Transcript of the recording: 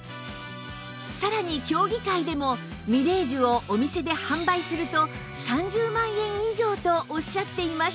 さらに協議会でもみれい珠をお店で販売すると３０万円以上とおっしゃっていましたが